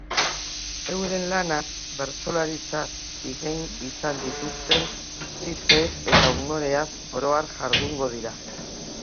Euren lanaz, bertsolaritzaz egin izan dituzten txisteez eta umoreaz orohar jardungo dira.